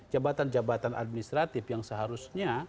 jabatan jabatan administratif yang seharusnya